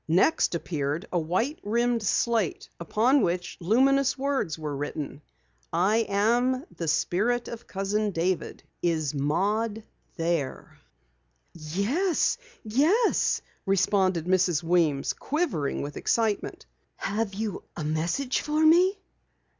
Next appeared a white rimmed slate, upon which luminous words were written: "I am the Spirit of Cousin David. Is Maud here?" "Yes, yes," responded Mrs. Weems, quivering with excitement. "Have you a message for me?"